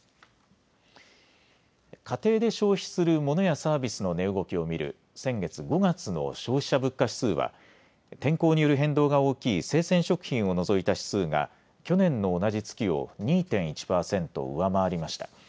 家庭で消費するモノやサービスの値動きを見る先月５月の消費者物価指数は天候による変動が大きい生鮮食品を除いた指数が去年の同じ月を２．１％上回りました。